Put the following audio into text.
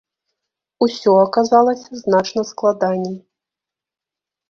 Усё аказалася значна складаней.